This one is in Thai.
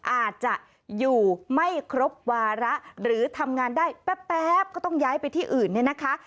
อาจจะอยู่ไม่ครบวาระหรือทำงานได้แป๊บก็ต้องย้ายไปที่อื่นเนี่ยนะคะ